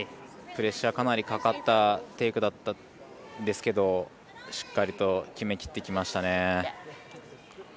プレッシャーかなりかかったテイクだったんですけどしっかりと決めきってきましたね。